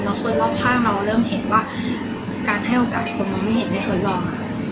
แล้วคนรอบข้างเราเริ่มเห็นว่าการให้โอกาสคนมองไม่เห็นไม่ทดลอง